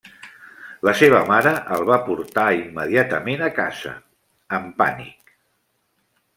La seva mare el va portar immediatament a casa, en pànic.